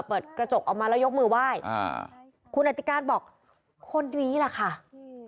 เปิดกระจกออกมาแล้วยกมือไหว้อ่าคุณอธิการบอกคนนี้แหละค่ะอืม